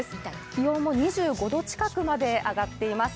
気温も２５度近くまで上がっています。